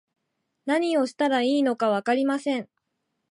何をしたらいいのかわかりません